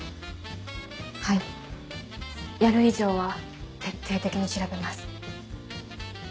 はいやる以上は徹底的に調べます。